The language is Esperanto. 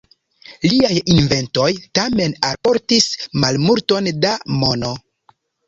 Liaj inventoj tamen alportis malmulton da mono.